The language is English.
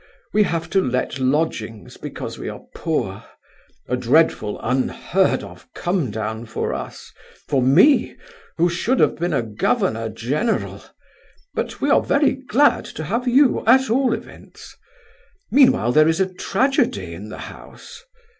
We have to let lodgings because we are poor—a dreadful, unheard of come down for us—for me, who should have been a governor general; but we are very glad to have you, at all events. Meanwhile there is a tragedy in the house."